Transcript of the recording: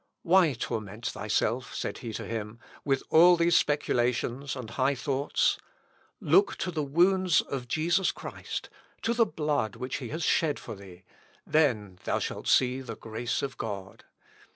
"Why torment thyself," said he to him, "with all these speculations and high thoughts? Look to the wounds of Jesus Christ, to the blood which he has shed for thee; then thou shalt see the grace of God.